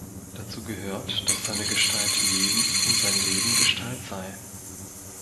Dazu gehört, daß seine Gestalt Leben und sein Leben Gestalt sei.